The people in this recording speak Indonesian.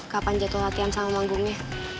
kapan jatuh latihan sama manggungnya